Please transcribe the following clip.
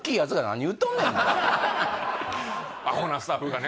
ホントにアホなスタッフがね